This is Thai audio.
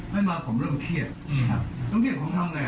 ไม่มาของเรื่องเครียดเรื่องเครียดผมทำไง